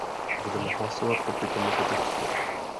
Budeme hlasovat proti tomuto textu.